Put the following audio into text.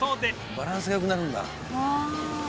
バランスが良くなるんだ。